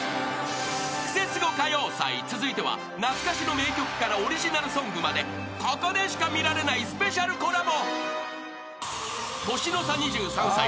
［続いては懐かしの名曲からオリジナルソングまでここでしか見られないスペシャルコラボ］